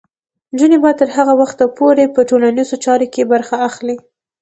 نجونې به تر هغه وخته پورې په ټولنیزو چارو کې برخه اخلي.